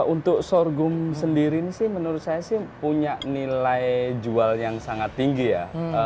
untuk sorghum sendiri ini sih menurut saya sih punya nilai jual yang sangat tinggi ya